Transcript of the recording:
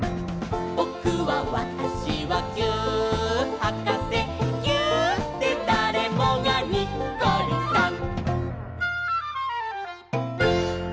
「ぼくはわたしはぎゅーっはかせ」「ぎゅーっでだれもがにっこりさん！」